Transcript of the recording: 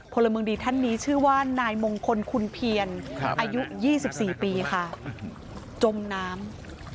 พลเมืองดีท่านนี้ชื่อว่านายมงคลคุณเพียรอายุ๒๔ปีค่ะจมน้ำ